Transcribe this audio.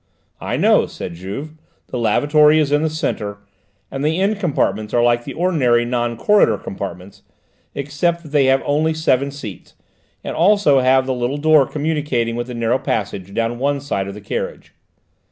"I know," said Juve; "the lavatory is in the centre, and the end compartments are like the ordinary noncorridor compartments, except that they have only seven seats, and also have the little door communicating with the narrow passage down one side of the carriage."